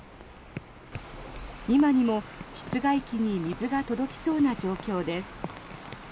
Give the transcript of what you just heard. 今にも室外機に水が届きそうな状況です。